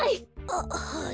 あっはい。